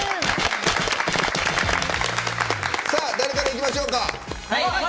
誰からいきましょうか！